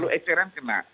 lalu xrn kena